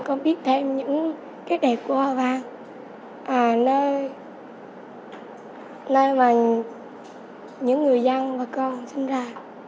con biết thêm những cái đẹp của hòa vang nơi mà những người dân và con sinh ra